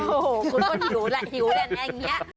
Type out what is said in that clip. โอ้โหคุณผู้ชมหิวแหละหิวแหละแบบนี้